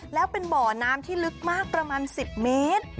แล้วเป็นบ่อน้ำที่ลึกมากประมาณ๑๐เมตร